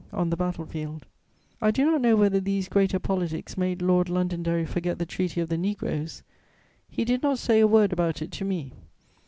on the battle field. "I do not know whether these greater politics made Lord Londonderry forget the treaty of the negroes; he did not say a word about it to me.